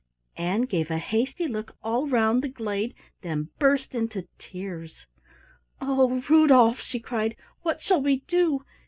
Ann gave a hasty look all round the glade, then burst into tears. "Oh, Rudolf," she cried, "what shall we do?